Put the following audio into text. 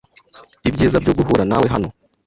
Ibyiza byo guhura nawe hano!